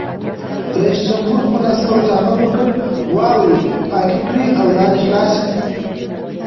رئیس جمهور خپلو عسکرو ته امر وکړ؛ واورې پاکې کړئ او لارې خلاصې کړئ!